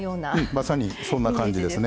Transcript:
まさにそんな感じですね。